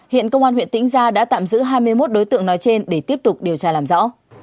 hiện công an huyện tĩnh gia đã tạm giữ hai mươi một đối tượng nói trên để tiếp tục điều tra làm rõ